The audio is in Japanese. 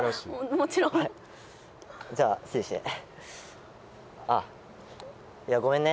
もちろんはいじゃあ失礼してあっいやごめんね